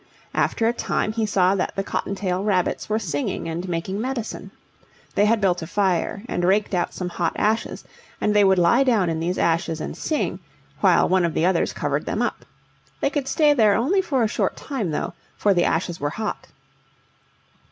After a time he saw that the cottontail rabbits were singing and making medicine. They had built a fire, and raked out some hot ashes, and they would lie down in these ashes and sing, while one of the others covered them up. They could stay there only for a short time, though, for the ashes were hot.